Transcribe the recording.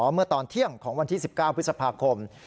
เมื่อตอนเที่ยงของวันที่๑๙พฤษภาคม